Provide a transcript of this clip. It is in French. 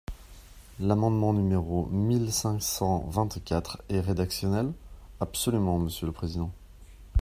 L’amendement numéro mille cinq cent vingt-quatre est rédactionnel ? Absolument, monsieur le président.